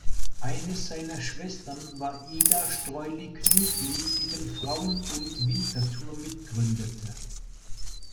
Eine seiner Schwestern war Ida Sträuli-Knüsli, die den Frauenbund Winterthur mitgründete.